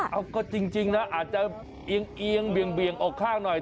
เอาก็จริงนะอาจจะเอียงเบี่ยงออกข้างหน่อย